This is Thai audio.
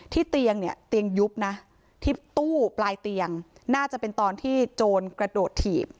เตียงเนี่ยเตียงยุบนะที่ตู้ปลายเตียงน่าจะเป็นตอนที่โจรกระโดดถีบ